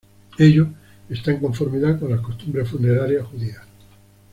Ello está en conformidad con las costumbres funerarias judías.